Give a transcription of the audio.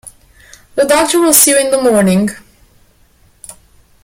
The doctor will see you in the morning.